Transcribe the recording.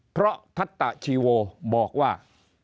เพราะทัตตะชีโวบอกว่า